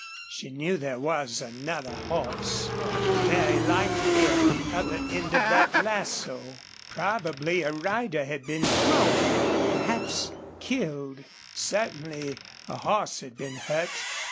She knew there was another horse, very likely at the other end of that lasso. Probably a rider had been thrown, perhaps killed. Certainly a horse had been hurt.